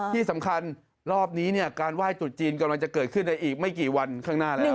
ที่สำคัญรอบนี้เนี่ยการไหว้จุดจีนกำลังจะเกิดขึ้นในอีกไม่กี่วันข้างหน้าแล้ว